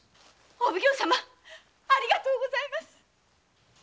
お奉行様ありがとうございます。